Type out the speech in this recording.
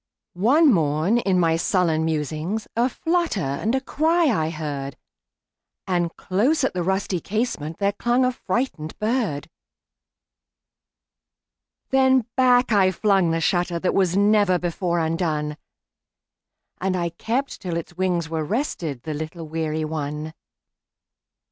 One morn, in my sullen musings,A flutter and cry I heard; And close at the rusty casementThere clung a frightened bird. Then back I flung the shutterThat was never before undone, And I kept till its wings were restedThe little weary one.